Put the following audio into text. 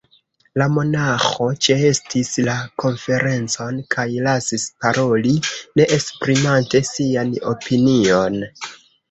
La monaĥo ĉeestis la konferencon kaj lasis paroli, ne esprimante sian opinion.